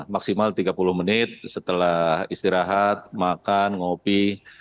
maksimal tiga puluh menit setelah istirahat makan ngopi